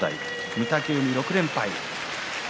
御嶽海は６連敗。